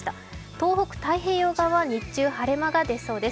東北太平洋側は日中、晴れ間が出そうです。